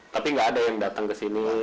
tapi gak ada yang datang kesini